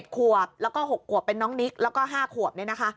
ขวบแล้วก็๖ขวบเป็นน้องนิกแล้วก็๕ขวบ